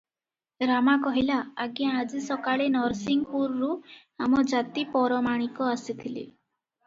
ରାମା କହିଲା, "ଆଜ୍ଞା ଆଜି ସକାଳେ ନରସିଂହପୁରରୁ ଆମ ଜାତି ପରମାଣିକ ଆସିଥିଲେ ।